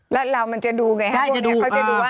ร้านราวมันจะดูไงทุกคนนี่เขาจะดูว่า